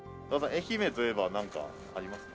愛媛といえばなんかありますか？